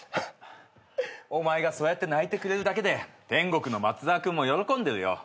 お前がそうやって泣いてくれるだけで天国のマツザワ君も喜んでるよ。